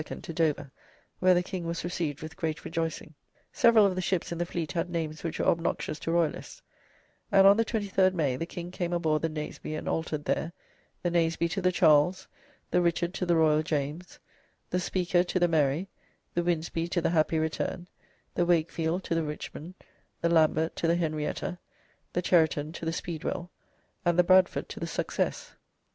to Dover, where the King was received with great rejoicing. Several of the ships in the fleet had names which were obnoxious to Royalists, and on the 23rd May the King came on board the "Naseby" and altered there the "Naseby" to the "Charles," the "Richard" to the "Royal James," the "Speaker" to the "Mary," the "Winsby" to the "Happy Return," the "Wakefield" to the "Richmond," the "Lambert" to the "Henrietta," the "Cheriton" to the "Speedwell," and the "Bradford" to the "Success."